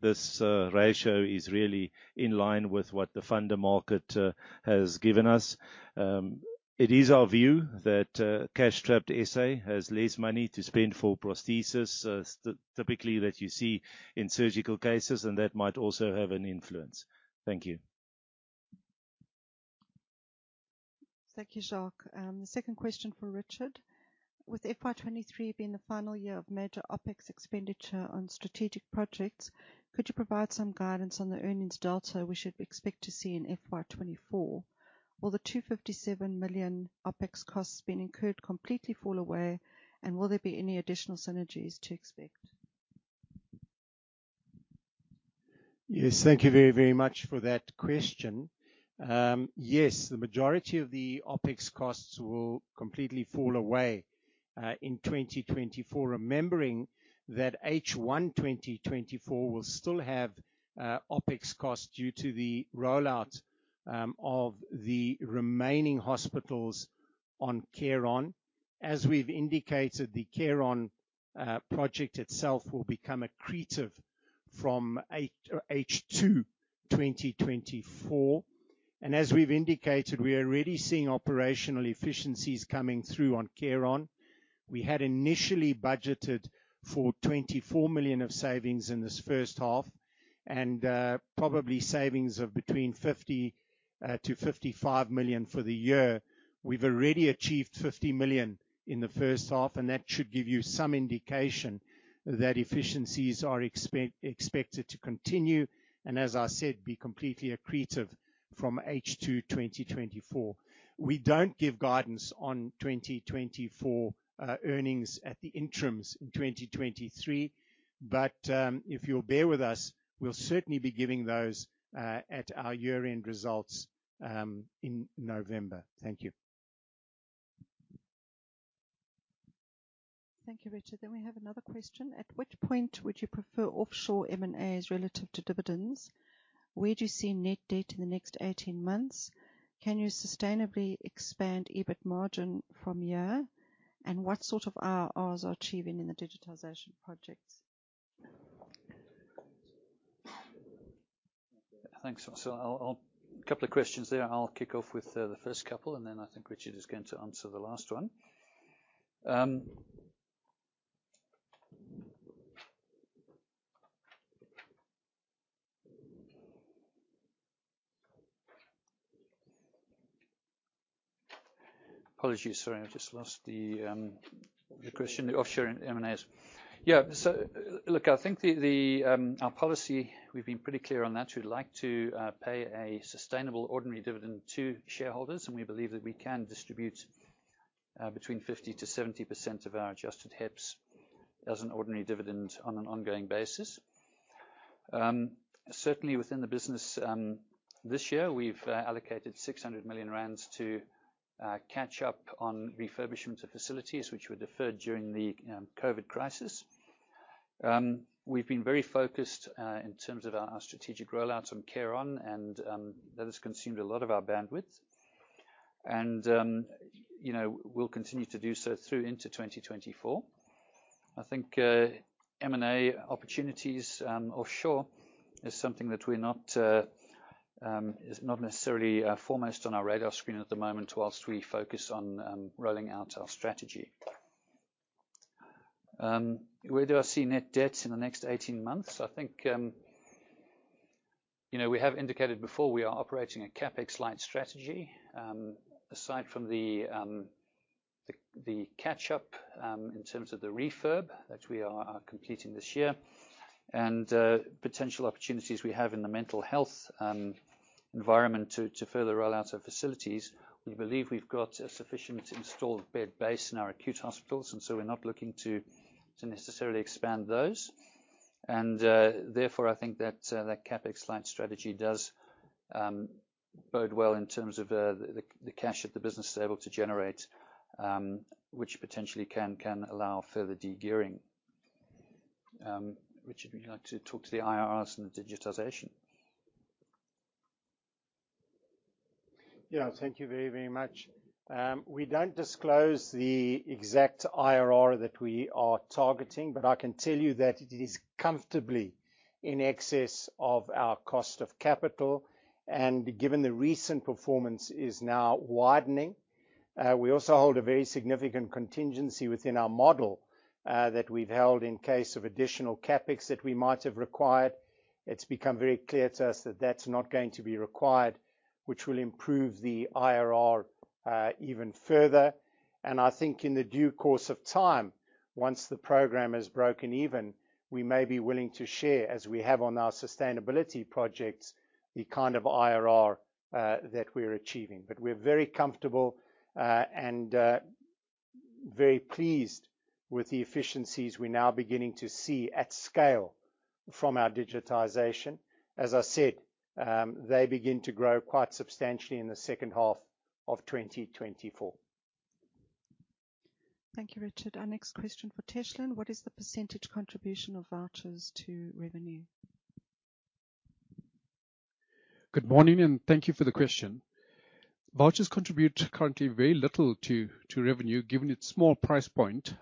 This ratio is really in line with what the funder market has given us. It is our view that cash-strapped S.A. has less money to spend for prosthesis, typically that you see in surgical cases, and that might also have an influence. Thank you. Thank you, Jacques. The second question for Richard. With FY 2023 being the final year of major OpEx expenditure on strategic projects, could you provide some guidance on the earnings delta we should expect to see in FY 2024? Will the 257 million OpEx costs being incurred completely fall away, and will there be any additional synergies to expect? Yes. Thank you very, very much for that question. Yes, the majority of the OpEx costs will completely fall away in 2024. Remembering that H1 2024 will still have OpEx costs due to the rollout of the remaining hospitals on CareOn. As we've indicated, the CareOn project itself will become accretive from H2 2024. As we've indicated, we are already seeing operational efficiencies coming through on CareOn. We had initially budgeted for 24 million of savings in this first half and probably savings of between 50 million-55 million for the year. We've already achieved 50 million in the first half, and that should give you some indication that efficiencies are expected to continue and as I said, be completely accretive from H2 2024. We don't give guidance on 2024 earnings at the interims in 2023. If you'll bear with us, we'll certainly be giving those at our year-end results in November. Thank you. Thank you, Richard. We have another question. At which point would you prefer offshore M&As relative to dividends? Where do you see net debt in the next 18 months? Can you sustainably expand EBIT margin from here? What sort of ROIs are achieving in the digitization projects? Thanks. Couple of questions there. I'll kick off with the first couple, and then I think Richard is going to answer the last one. Apologies. Sorry, I just lost the question. The offshore M&As. Yeah. Look, I think the policy, we've been pretty clear on that. We'd like to pay a sustainable ordinary dividend to shareholders, and we believe that we can distribute between 50%-70% of our adjusted HEPS as an ordinary dividend on an ongoing basis. Certainly within the business, this year we've allocated 600 million rand to catch up on refurbishment of facilities which were deferred during the COVID crisis. We've been very focused in terms of our strategic rollout on CareOn and that has consumed a lot of our bandwidth and, you know, we'll continue to do so through into 2024. I think M&A opportunities offshore is something that we're not is not necessarily foremost on our radar screen at the moment whilst we focus on rolling out our strategy. Where do I see net debt in the next 18 months? I think, you know, we have indicated before we are operating a CapEx-light strategy. Aside from the catch up in terms of the refurb that we are completing this year and potential opportunities we have in the mental health environment to further roll out our facilities. We believe we've got a sufficient installed bed base in our acute hospitals, and so we're not looking to necessarily expand those. Therefore, I think that CapEx-light strategy does bode well in terms of the cash that the business is able to generate, which potentially can allow further de-gearing. Richard, would you like to talk to the IRRs and the digitization? Thank you very, very much. We don't disclose the exact IRR that we are targeting, but I can tell you that it is comfortably in excess of our cost of capital. Given the recent performance is now widening, we also hold a very significant contingency within our model that we've held in case of additional CapEx that we might have required. It's become very clear to us that that's not going to be required, which will improve the IRR even further. I think in the due course of time, once the program has broken even, we may be willing to share, as we have on our sustainability projects, the kind of IRR that we're achieving. We're very comfortable and very pleased with the efficiencies we're now beginning to see at scale from our digitization. As I said, they begin to grow quite substantially in the second half of 2024. Thank you, Richard. Our next question for Teshlin. What is the percentage contribution of vouchers to revenue? Good morning, and thank you for the question. Vouchers contribute currently very little to revenue, given its small price point,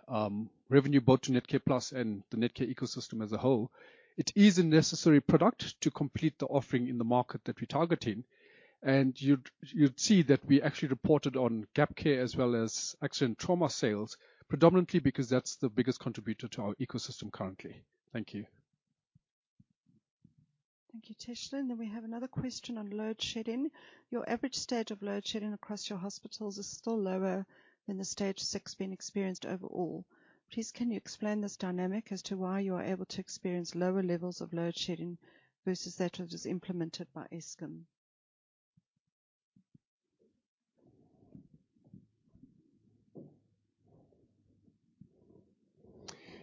revenue both to NetcarePlus and the Netcare ecosystem as a whole. It is a necessary product to complete the offering in the market that we're targeting. You'd see that we actually reported on GapCare as well as accident trauma sales, predominantly because that's the biggest contributor to our ecosystem currently. Thank you. Thank you, Teshlin. We have another question on load shedding. Your average Stage of load shedding across your hospitals is still lower than the Stage 6 being experienced overall. Please can you explain this dynamic as to why you are able to experience lower levels of load shedding versus that which is implemented by Eskom?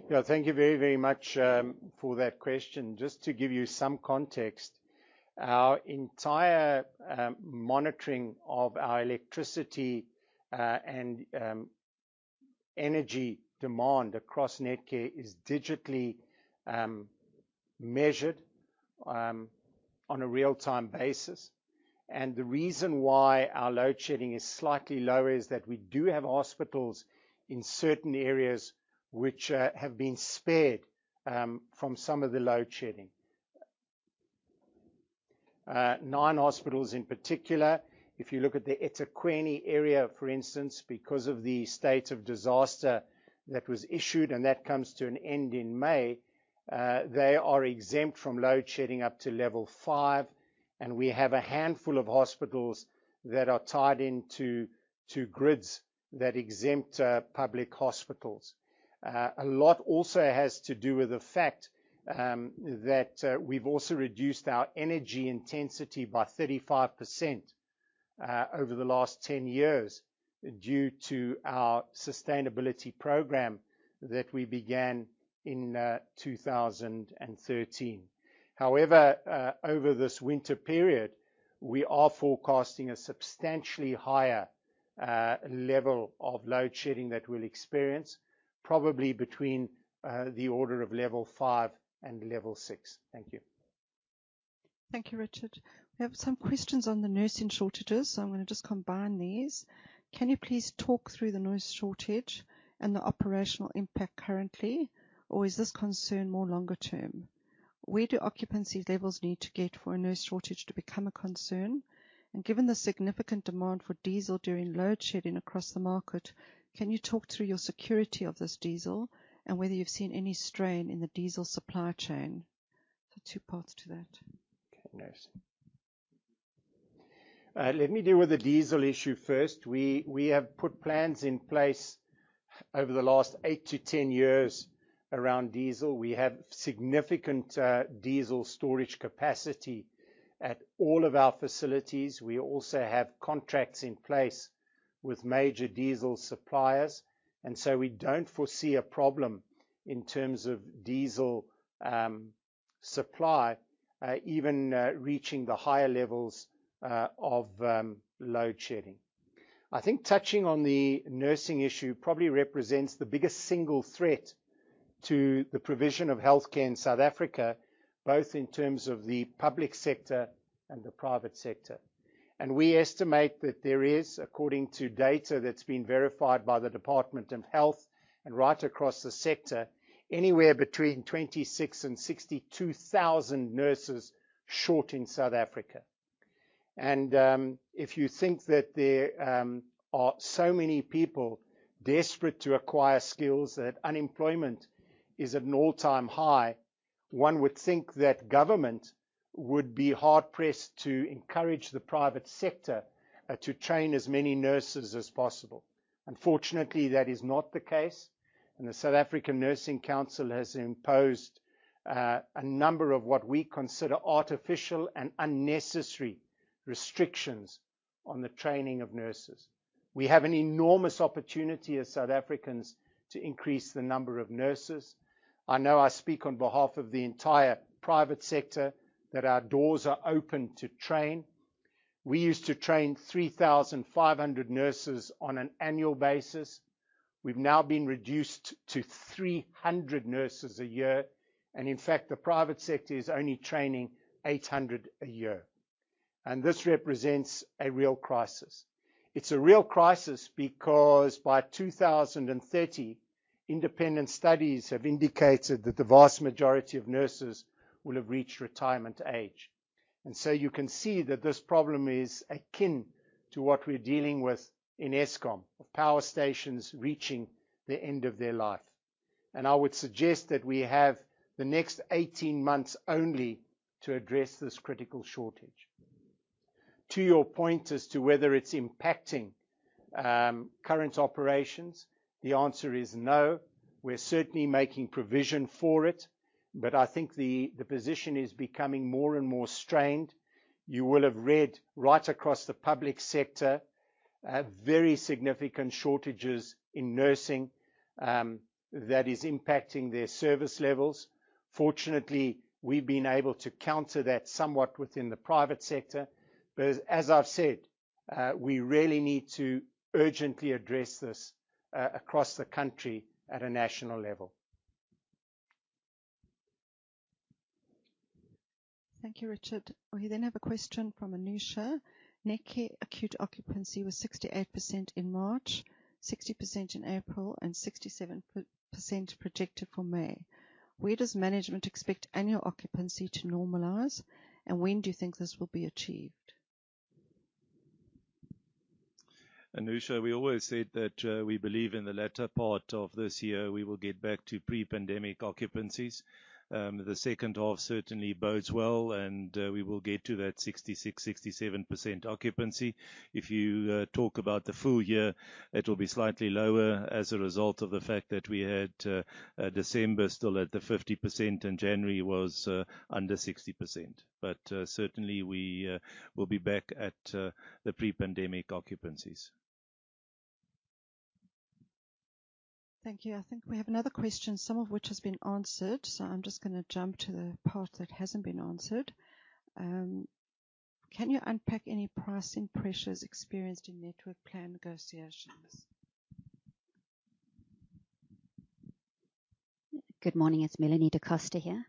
Yeah. Thank you very, very much for that question. Just to give you some context, our entire monitoring of our electricity and energy demand across Netcare is digitally measured on a real-time basis. The reason why our load shedding is slightly lower is that we do have hospitals in certain areas which have been spared from some of the load shedding. Nine hospitals in particular. If you look at the eThekwini area, for instance, because of the state of disaster that was issued and that comes to an end in May, they are exempt from load shedding up to Level 5, and we have a handful of hospitals that are tied into grids that exempt public hospitals. A lot also has to do with the fact that we've also reduced our energy intensity by 35% over the last 10 years due to our sustainability program that we began in 2013. Over this winter period, we are forecasting a substantially higher level of load shedding that we'll experience probably between the order of Level 5 and Level 6. Thank you. Thank you, Richard. We have some questions on the nursing shortages, so I'm gonna just combine these. Can you please talk through the nurse shortage and the operational impact currently, or is this concern more longer term? Where do occupancy levels need to get for a nurse shortage to become a concern? Given the significant demand for diesel during load shedding across the market, can you talk through your security of this diesel and whether you've seen any strain in the diesel supply chain? Two parts to that. Okay. Nursing. Let me deal with the diesel issue first. We have put plans in place over the last eight to 10 years around diesel. We have significant diesel storage capacity at all of our facilities. We also have contracts in place with major diesel suppliers. We don't foresee a problem in terms of diesel supply even reaching the higher levels of load shedding. I think touching on the nursing issue probably represents the biggest single threat to the provision of healthcare in South Africa, both in terms of the public sector and the private sector. We estimate that there is, according to data that's been verified by the Department of Health and right across the sector, anywhere between 26,000 and 62,000 nurses short in South Africa. If you think that there are so many people desperate to acquire skills, that unemployment is at an all-time high, one would think that government would be hard pressed to encourage the private sector to train as many nurses as possible. Unfortunately, that is not the case. The South African Nursing Council has imposed a number of what we consider artificial and unnecessary restrictions on the training of nurses. We have an enormous opportunity as South Africans to increase the number of nurses. I know I speak on behalf of the entire private sector that our doors are open to train. We used to train 3,500 nurses on an annual basis. We've now been reduced to 300 nurses a year, and in fact, the private sector is only training 800 a year. This represents a real crisis. It's a real crisis because by 2030, independent studies have indicated that the vast majority of nurses will have reached retirement age. You can see that this problem is akin to what we're dealing with in Eskom of power stations reaching the end of their life. I would suggest that we have the next 18 months only to address this critical shortage. To your point as to whether it's impacting current operations, the answer is no. We're certainly making provision for it, but I think the position is becoming more and more strained. You will have read right across the public sector, very significant shortages in nursing, that is impacting their service levels. Fortunately, we've been able to counter that somewhat within the private sector. As I've said, we really need to urgently address this across the country at a national level. Thank you, Richard. We have a question from Anusha. Netcare acute occupancy was 68% in March, 60% in April and 67% projected for May. Where does management expect annual occupancy to normalize, and when do you think this will be achieved? Anusha, we always said that, we believe in the latter part of this year we will get back to pre-pandemic occupancies. The second half certainly bodes well, and we will get to that 66%-67% occupancy. If you talk about the full year, it will be slightly lower as a result of the fact that we had December still at the 50% and January was under 60%. Certainly we will be back at the pre-pandemic occupancies. Thank you. I think we have another question, some of which has been answered, so I'm just gonna jump to the part that hasn't been answered. Can you unpack any pricing pressures experienced in network plan negotiations? Good morning. It's Melanie da Costa here.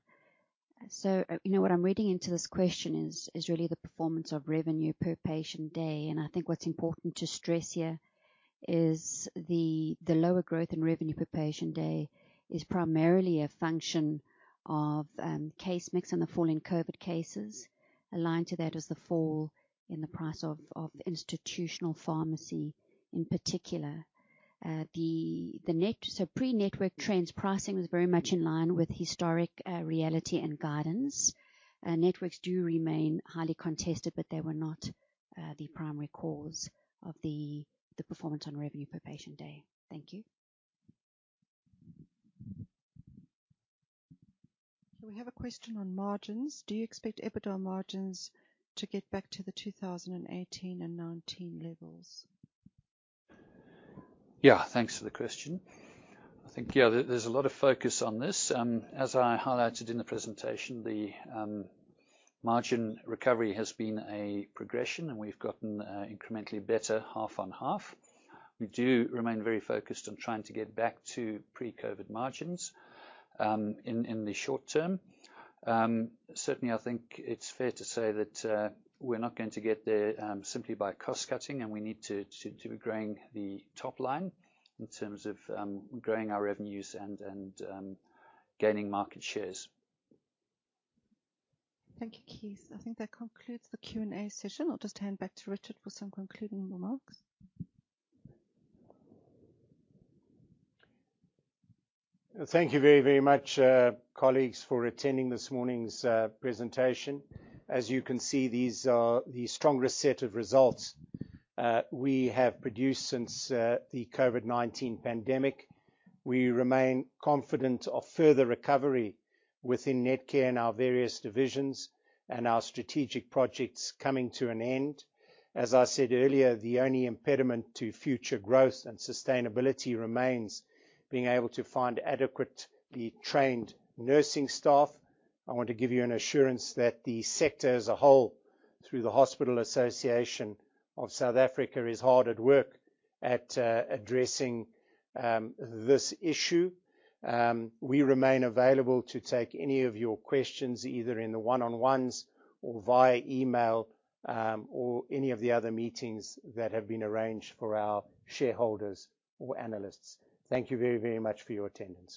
You know, what I'm reading into this question is really the performance of revenue per patient day. I think what's important to stress here is the lower growth in revenue per patient day is primarily a function of case mix and the fall in COVID cases. Aligned to that is the fall in the price of institutional pharmacy in particular. Pre-network trends pricing was very much in line with historic reality and guidance. Networks do remain highly contested, they were not the primary cause of the performance on revenue per patient day. Thank you. We have a question on margins. Do you expect EBITDA margins to get back to the 2018 and 2019 levels? Yeah, thanks for the question. I think, yeah, there's a lot of focus on this. As I highlighted in the presentation, the margin recovery has been a progression, and we've gotten incrementally better half on half. We do remain very focused on trying to get back to pre-COVID margins in the short term. Certainly I think it's fair to say that we're not going to get there simply by cost cutting, and we need to be growing the top line in terms of growing our revenues and gaining market shares. Thank you, Keith. I think that concludes the Q&A session. I'll just hand back to Richard for some concluding remarks. Thank you very, very much, colleagues, for attending this morning's presentation. As you can see, these are the strongest set of results we have produced since the COVID-19 pandemic. We remain confident of further recovery within Netcare and our various divisions and our strategic projects coming to an end. I said earlier, the only impediment to future growth and sustainability remains being able to find adequately trained nursing staff. I want to give you an assurance that the sector as a whole, through the Hospital Association of South Africa, is hard at work at addressing this issue. We remain available to take any of your questions, either in the one-on-ones or via email, or any of the other meetings that have been arranged for our shareholders or analysts. Thank you very, very much for your attendance.